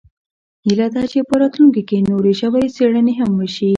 هیله ده چې په راتلونکي کې نورې ژورې څیړنې هم وشي